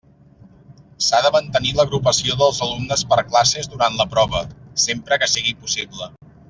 S'ha de mantenir l'agrupació dels alumnes per classes durant la prova, sempre que sigui possible.